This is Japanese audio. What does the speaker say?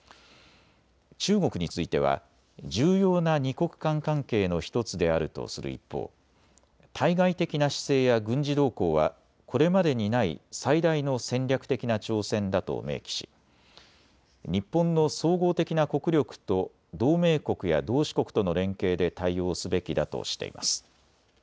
中国については重要な２国間関係の１つであるとする一方、対外的な姿勢や軍事動向はこれまでにない最大の戦略的な挑戦だと明記し日本の総合的な国力と同盟国や同志国との連携で対応すべきだとしています。